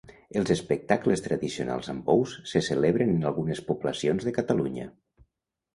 Els espectacles tradicionals amb bous se celebren en algunes poblacions de Catalunya.